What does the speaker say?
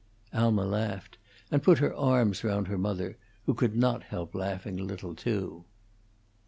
Alma laughed, and put her arms round her mother, who could not help laughing a little, too.